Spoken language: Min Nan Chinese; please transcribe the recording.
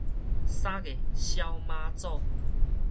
三月痟媽祖